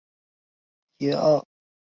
其妻郭平英为郭沫若与于立群之女。